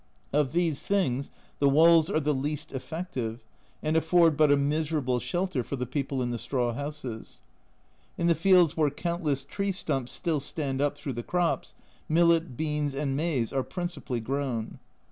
Of these things the walls are the least effective, and afford but a miserable shelter for the people in the straw houses. In the fields where countless tree stumps still stand up through the crops, millet, beans, and maize are principally grown.